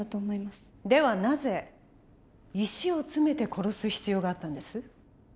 ではなぜ石を詰めて殺す必要があったんです？